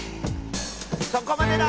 そこまでだ！